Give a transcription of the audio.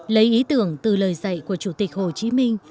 lấy ý tưởng từ lời dạy của chủ tịch hồ chí minh